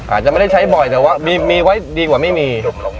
อาจจะไม่ได้ใช้บ่อยแต่ว่ามีไว้ดีกว่าไม่มี